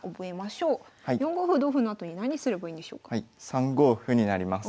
３五歩になります。